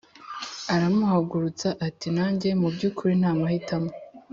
aramuhagurutsa ati: nanjye mubyukuri ntamahitamo